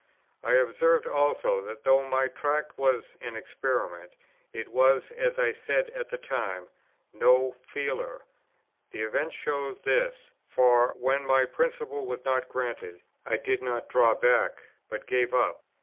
I observe also, that, though my Tract was an experiment, it was, as I said at the time, "no feeler"; the event showed this; for, when my principle was not granted, I did not draw back, but gave up.